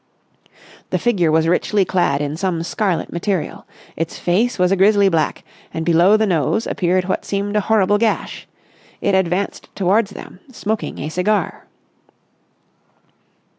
The figure was richly clad in some scarlet material. Its face was a grisly black and below the nose appeared what seemed a horrible gash. It advanced towards them, smoking a cigar.